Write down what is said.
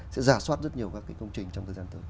sẽ giả soát rất nhiều các công trình trong thời gian tới